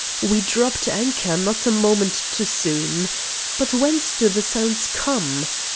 We dropped anchor not a moment too soon. But whence do the sounds come?